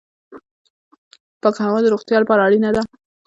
پاکه هوا د روغتیا لپاره اړینه ده